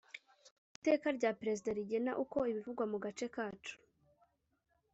iteka rya perezida rigena uko ibivugwa mu gace kacu